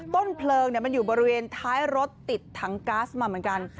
ต้นเพลิงมันอยู่บริเวณท้ายรถติดถังก๊าซมาเหมือนกัน